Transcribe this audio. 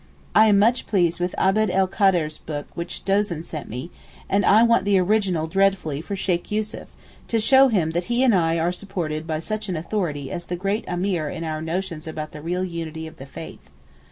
I am much pleased with Abd el Kader's book which Dozon sent me, and want the original dreadfully for Sheykh Yussuf, to show him that he and I are supported by such an authority as the great Ameer in our notions about the real unity of the Faith.